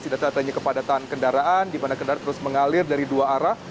tidak terlihat adanya kepadatan kendaraan di mana kendaraan terus mengalir dari dua arah